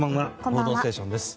「報道ステーション」です。